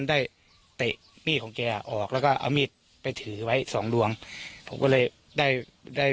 ได้มีของแกออกแล้วก็เอามีไปถือไว้สองล่วงกูเลยได้